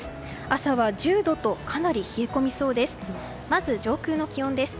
朝は１０度とかなり冷え込みそうです。